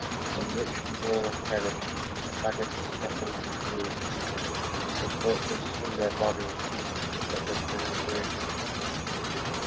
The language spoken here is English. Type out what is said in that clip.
When witch and warlock perished By fagot, scaffold and tree, Their tortures slew their bodies But set their spirits free!